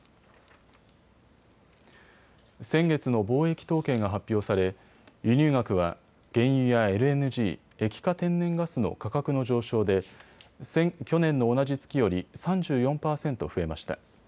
先月の貿易統計が発表され輸入額は原油やＬＮＧ・液化天然ガスの価格の上昇で去年の同じ月より３４％増えました。